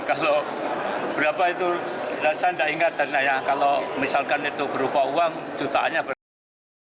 jadi berapa itu saya nggak ingat kalau misalkan itu berupa uang jutaannya berapa